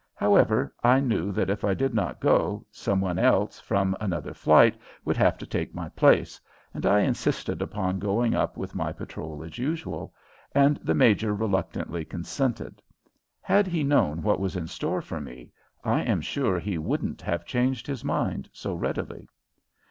However, I knew that if I did not go, some one else from another "flight" would have to take my place, and I insisted upon going up with my patrol as usual, and the major reluctantly consented. Had he known what was in store for me I am sure he wouldn't have changed his mind so readily.